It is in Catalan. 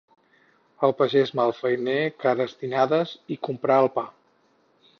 El pagès malfeiner, cares dinades i comprar el pa.